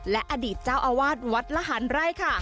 และอดีตเจ้าอาวาสวัดละหารไร่ค่ะ